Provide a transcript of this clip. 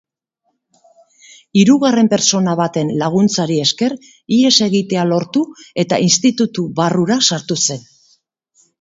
Hirugarren pertsona baten laguntzari esker ihes egitea lortu eta institutu barrura sartu zen.